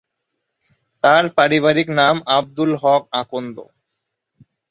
তার পারিবারিক নাম আব্দুল হক আকন্দ।